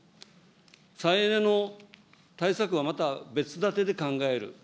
再エネの対策はまた別建てで考える。